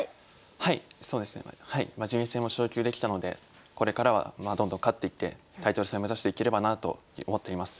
はいそうですねはいまあ順位戦も昇級できたのでこれからはどんどん勝っていってタイトル戦を目指していければなと思っています。